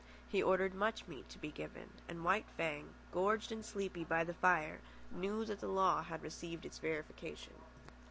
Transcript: He ordered much meat to be given, and White Fang, gorged and sleepy by the fire, knew that the law had received its verification.